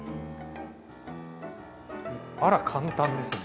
あら簡単ですね！